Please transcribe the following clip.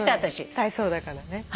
体操だからね。